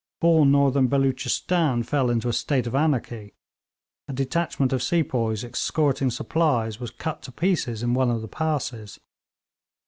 All Northern Beloochistan fell into a state of anarchy. A detachment of sepoys escorting supplies was cut to pieces in one of the passes.